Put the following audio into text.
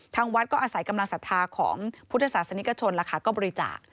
ทางวัดก็อาศัยกำลังศรัทธาของพุทธศาสนิกชนก็บริจาค